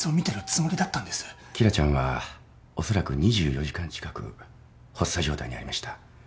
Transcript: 紀來ちゃんはおそらく２４時間近く発作状態にありました。